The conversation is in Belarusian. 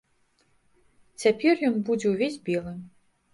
Цяпер ён будзе ўвесь белы.